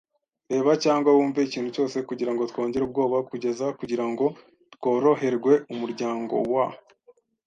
reba cyangwa wumve ikintu cyose kugirango twongere ubwoba, kugeza, kugirango tworoherwe, umuryango w